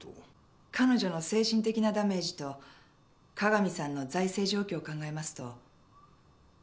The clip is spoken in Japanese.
彼女の精神的なダメージと加々美さんの財政状況を考えますと妥当な数字は。